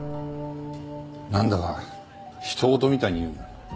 なんだか他人事みたいに言うんだな。